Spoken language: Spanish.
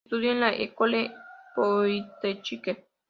Estudió en la École Polytechnique.